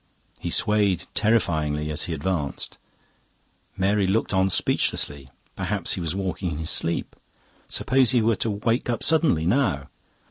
He swayed terrifyingly as he advanced. Mary looked on speechlessly; perhaps he was walking in his sleep! Suppose he were to wake up suddenly, now!